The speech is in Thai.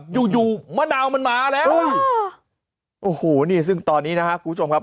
อยู่อยู่มะนาวมันมาแล้วโอ้โหนี่ซึ่งตอนนี้นะครับคุณผู้ชมครับ